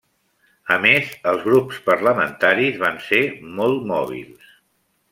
A més, els grups parlamentaris van ser molt mòbils.